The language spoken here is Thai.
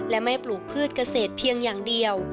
และไม่ปลูกพืชเกษตรเพียงอย่างเดียว